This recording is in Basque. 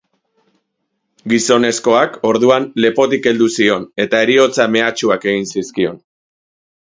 Gizonezkoak, orduan, lepotik heldu zion eta heriotza mehatxuak egin zizkion.